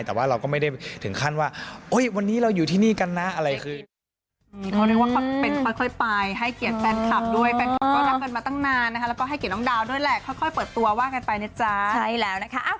แต่ว่าเราก็ไม่ได้ถึงขั้นว่าวันนี้เราอยู่ที่นี่กันนะอะไรคือ